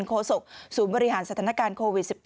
โศกศูนย์บริหารสถานการณ์โควิด๑๙